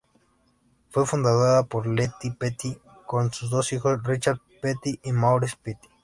Fue fundada por Lee Petty con sus dos hijos, Richard Petty y Maurice Petty.